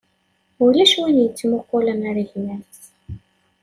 Ulac win yettmuqulen ɣer gma-s.